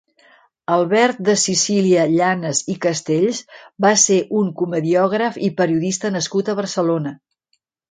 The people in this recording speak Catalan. Albert de Sicília Llanas i Castells va ser un comediògraf i periodista nascut a Barcelona.